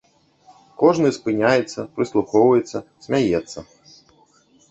Кожны спыняецца, прыслухоўваецца, смяецца.